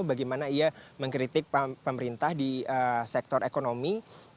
bagaimana ia mengkritik pemerintah di sektor ekonomi